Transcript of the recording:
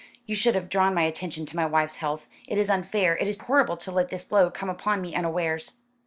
You should have drawn my attention to my wife's health. It is unfair, it is horrible to let this blow come upon me unawares."